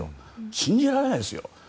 信じられないですよ。